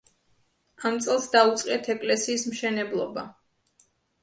ამ წელს დაუწყიათ ეკლესიის მშენებლობა.